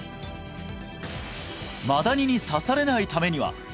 マダニに刺されないためには？